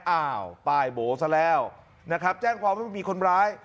โอ้โหป้ายโบ๋ธเราแล้วแจ้งความว่ามีคนร้าย